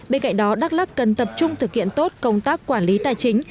bên cạnh đó đắk lắc cần tập trung thực hiện tốt công tác quản lý tài chính